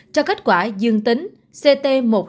cho kết quả dương tính ct một mươi sáu năm mươi hai